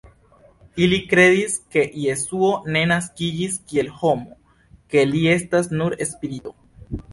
Ili kredis, ke Jesuo ne naskiĝis kiel homo, ke li estas nur spirito.